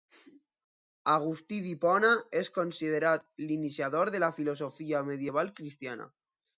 Agustí d'Hipona és considerat l'iniciador de la filosofia medieval cristiana.